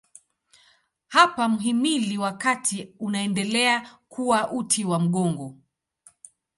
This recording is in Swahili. Hapa mhimili wa kati unaendelea kuwa uti wa mgongo.